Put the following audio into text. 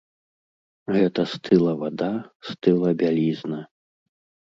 Гэта стыла вада, стыла бялізна.